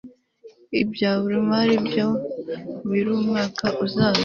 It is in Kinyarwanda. iby ibaruramari bya burimwaka uzaza